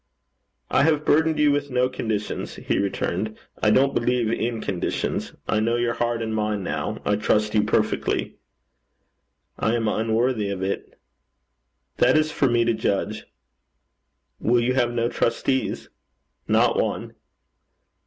'I have burdened you with no conditions,' he returned. 'I don't believe in conditions. I know your heart and mind now. I trust you perfectly.' 'I am unworthy of it.' 'That is for me to judge.' 'Will you have no trustees?' 'Not one.'